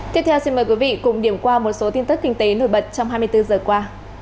tiếp theo xin mời quý vị cùng điểm qua một số tin tức kinh tế nổi bật trong hai mươi bốn giờ qua